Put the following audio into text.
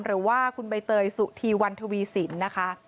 หรือว่าคุณใบเตยสุธีวันทวีสินนะคะ